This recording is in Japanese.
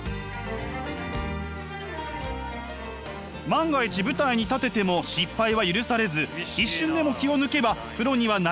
万が一舞台に立てても失敗は許されず一瞬でも気を抜けばプロにはなれない。